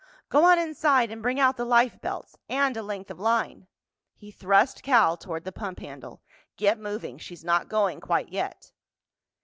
"Go on inside and bring out the life belts—and a length of line." He thrust Cal toward the pump handle. "Get moving. She's not going quite yet."